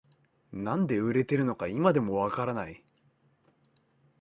なんで売れてるのか今でもわからない